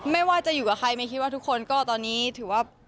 ไม่ว่าจะอยู่กับใครไม่คิดว่าทุกคนก็ตอนนี้ถือว่า